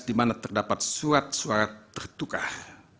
di mana terdapat surat suara tertukah